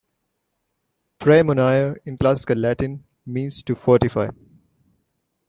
"Praemunire" in classical Latin means "to fortify".